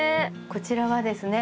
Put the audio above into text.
こちらはですね